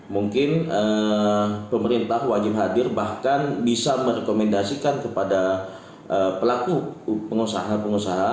mungkin pemerintah wajib hadir bahkan bisa merekomendasikan kepada pelaku pengusaha pengusaha